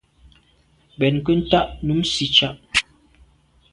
Mbèn nke ntà num nsitsha’a.